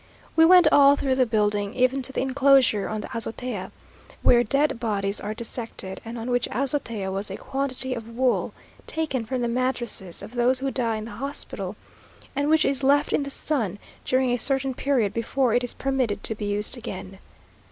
We went all through the building, even to the enclosure on the azotea, where dead bodies are dissected; and on which azotea was a quantity of wool, taken from the mattresses of those who die in the hospital, and which is left in the sun during a certain period before it is permitted to be used again.